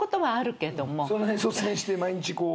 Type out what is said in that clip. その辺率先して毎日こう。